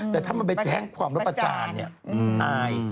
แต่ถ้ามันไปแจ้งความรับประจานเนี่ยอาย